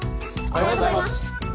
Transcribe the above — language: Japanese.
おはようございます。